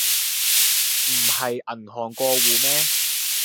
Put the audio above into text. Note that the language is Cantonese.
唔係銀行過戶咩?